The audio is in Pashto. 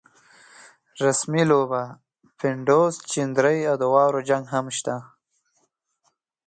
رسمۍ لوبه، پډوس، چندرۍ او د واورو جنګ هم شته.